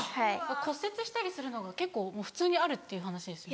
骨折したりするのが結構普通にあるっていう話ですよね。